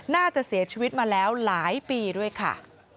น่าจะเสียชีวิตมาแล้วหลายปีด้วยค่ะ